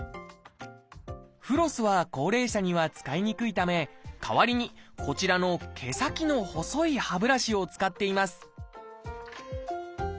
フロスは高齢者には使いにくいため代わりにこちらの毛先の細い歯ブラシを使っています